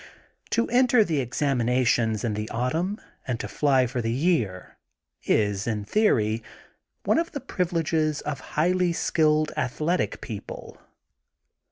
To enter the examinations in the autumn and to fly for the year is, in theory, one of the privileges of highly skilled, athletic people.